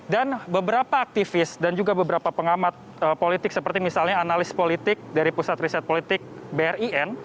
dan beberapa aktivis dan juga beberapa pengamat politik seperti misalnya analis politik dari pusat riset politik brin